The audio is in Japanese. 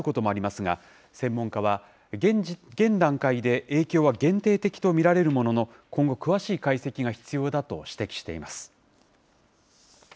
大規模噴火の場合、地球規模で一時的に気温が下がることもありますが、専門家は現段階で影響は限定的と見られるものの、今後、詳しい解析が必要だと指摘しています。